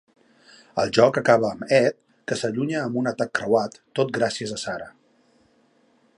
El joc acaba amb Ed, que s'allunya amb un atac creuat, tot gràcies a Sara.